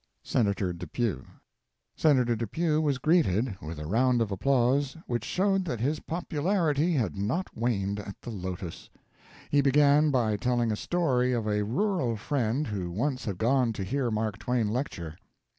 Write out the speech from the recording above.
SENATOR DEPEW. Senator Depew was greeted with a round of applause which showed that his popularity had not waned at the Lotos. He began by telling a story of a rural friend who once had gone to hear Mark Twain lecture.